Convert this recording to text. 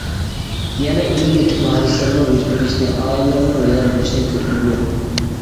يەنە ئۆلۈم- يېتىم ھادىسىلىرىنىڭ يۈز بېرىشىنى، ئائىلىلەرنىڭ ۋەيران بولۇشىنى كۆرگۈم يوق.